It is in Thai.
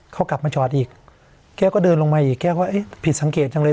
เขากลับมาจอดอีกแกก็เดินลงมาอีกแกก็เอ๊ะผิดสังเกตจังเลย